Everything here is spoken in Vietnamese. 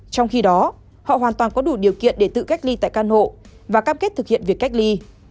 trong khi đó họ hoàn toàn có đủ điều kiện để tự cách ly tại căn hộ và cam kết thực hiện việc cách ly